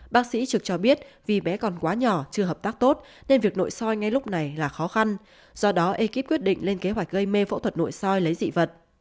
bác sĩ trực cho biết vì bé còn quá nhỏ chưa hợp tác tốt nên việc nội soi ngay lúc này là khó khăn do đó ekip quyết định lên kế hoạch gây mê phẫu thuật nội soi lấy dị vật